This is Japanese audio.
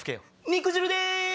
肉汁です！